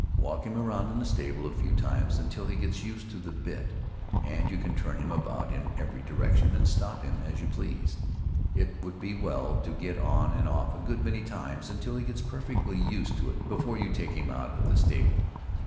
Walk him around in the stable a few times until he gets used to the bit, and you can turn him about in every direction and stop him as you please. It would be well to get on and off a good many times until he gets perfectly used to it before you take him out of the stable.